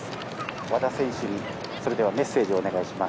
和田選手にメッセージをお願いします。